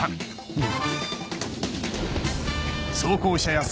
うん。